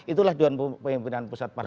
itulah dewan pemimpinan pusat partai